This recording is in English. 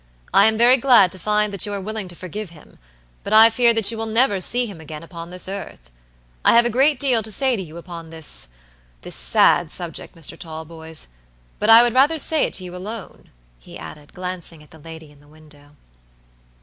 "I am very glad to find that you are willing to forgive him, but I fear that you will never see him again upon this earth. I have a great deal to say to you upon thisthis sad subject, Mr. Talboys; but I would rather say it to you alone," he added, glancing at the lady in the window.